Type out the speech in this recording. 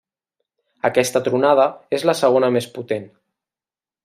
Aquesta tronada és la segona més potent.